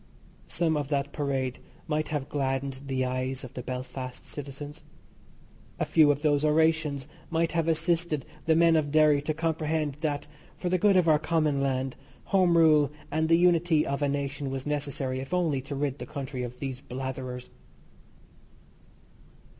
Some of that parade might have gladdened the eyes of the Belfast citizens; a few of those orations might have assisted the men of Derry to comprehend that, for the good of our common land, Home Rule and the unity of a nation was necessary if only to rid the country of these blatherers.